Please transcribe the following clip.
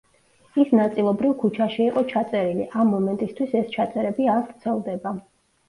ის ნაწილობრივ ქუჩაში იყო ჩაწერილი, ამ მომენტისთვის ეს ჩაწერები არ ვრცელდება.